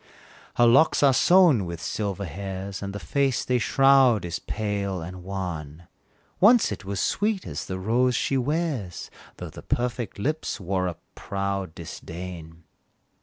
Her locks are sown with silver hairs, And the face they shroud is pale and wan; Once it was sweet as the rose she wears, Though the perfect lips wore a proud disdain!